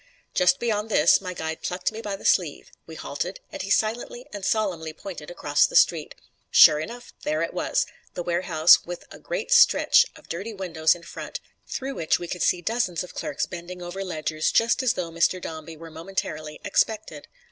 Just beyond this my guide plucked me by the sleeve; we halted, and he silently and solemnly pointed across the street. Sure enough! There it was, the warehouse with a great stretch of dirty windows in front, through which we could see dozens of clerks bending over ledgers, just as though Mr. Dombey were momentarily expected.